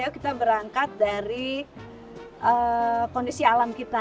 kita berangkat dari kondisi alam kita